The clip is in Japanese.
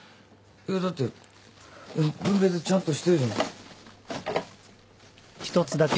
えっだって分別ちゃんとしてるじゃない。